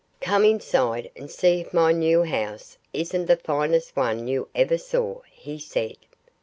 "Come inside and see if my new house isn't the finest one you ever saw!" he said.